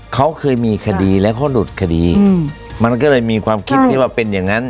เขาเคยมีคดีแล้วเขาหลุดคดีมันก็เลยมีความคิดที่ว่าเป็นอย่างนั้น